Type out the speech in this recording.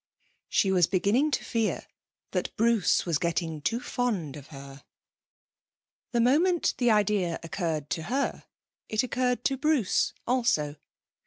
She was beginning to fear that Bruce was getting too fond of her. The moment the idea occurred to her, it occurred to Bruce also.